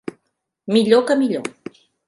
Millor que millor.